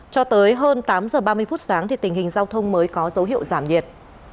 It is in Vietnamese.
cho tới hơn tám h ba mươi phút sáng tình hình giao thông mới có dấu hiệu giảm nhiệt